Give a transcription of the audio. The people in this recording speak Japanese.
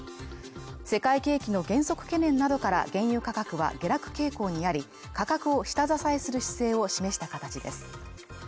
世界景気の減速懸念などから原油価格は下落傾向にあり価格を下支えする姿勢を示した形です